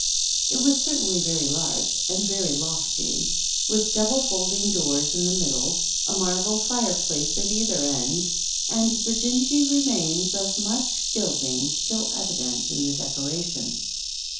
It was certainly very large and very lofty, with double folding doors in the middle, a marble fireplace at either end, and the dingy remains of much gilding still evident in the decorations.